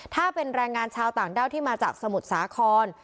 ถ้าเป็นแรงงานชาวต่างด้าวที่มาจากสมุทรสาคร